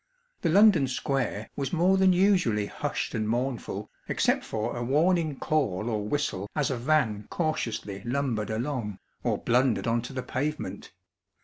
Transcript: The London square was more than usually hushed and mournful, except for a warning call or whistle as a van cautiously lumbered along, or blundered on to the pavement.